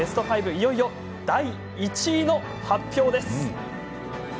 いよいよ第１位の発表です。